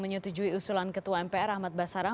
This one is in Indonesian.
menyetujui usulan ketua mpr ahmad basara